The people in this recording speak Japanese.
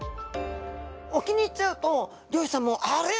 沖に行っちゃうと漁師さんも「あれっ？